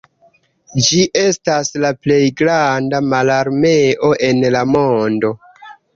Ĝi estas la plej granda mararmeo en la mondo.